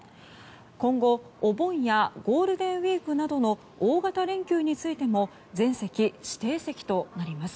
今後、お盆やゴールデンウィークなどの大型連休についても全席指定席となります。